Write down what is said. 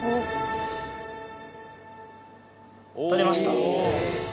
取れました。